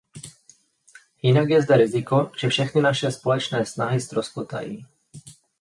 Jinak je zde riziko, že všechny naše společné snahy ztroskotají.